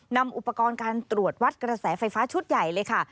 นำอุปกรณ์การตรวจวัดกระแสไฟฟ้าชุดใหญ่เลยค่ะ